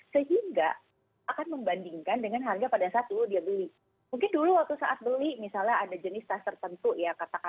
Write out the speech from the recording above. sehingga akan membandingkan dengan harga